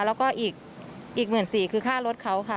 แล้วก็อีก๑๔๐๐คือค่ารถเขาค่ะ